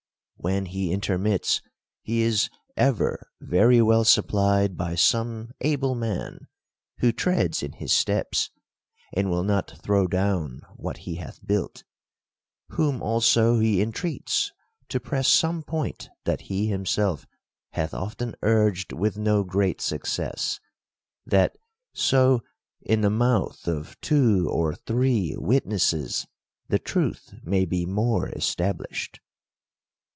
When he intermits, he is ever very well supplied by some able man ; who treads in his steps, and will not throw down what he hath THE COUNTRY PARSON. 17 built ; whom also he entreats to press some point that he himself hath often urged with no great success, that so in the mouth of two or three witnesses the truth may be more established.